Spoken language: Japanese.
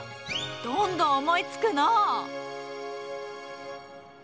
どんどん思いつくのう。